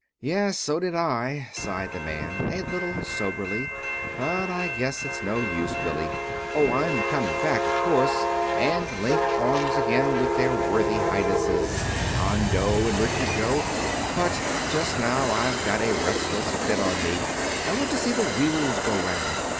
"Yes, so did I," sighed the man, a little soberly. "But I guess it's no use, Billy. Oh, I'm coming back, of course, and link arms again with their worthy Highnesses, John Doe and Richard Roe; but just now I've got a restless fit on me. I want to see the wheels go 'round.